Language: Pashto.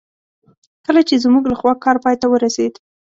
کله چې زموږ لخوا کار پای ته ورسېد.